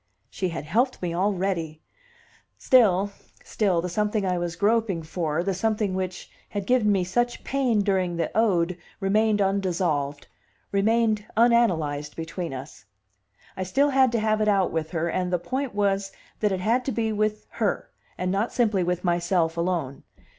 She had helped me already! Still, still, the something I was groping for, the something which had given me such pain during the ode, remained undissolved, remained unanalyzed between us; I still had to have it out with her, and the point was that it had to be with her, and not simply with myself alone.